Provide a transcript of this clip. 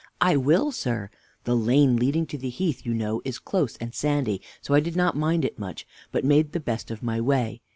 W. I will, sir. The lane leading to the heath, you know, is close and sandy, so I did not mind it much, but made the best of my way.